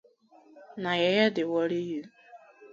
Na yeye dey worry you.